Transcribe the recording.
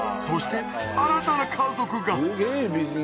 そして新たな家族が！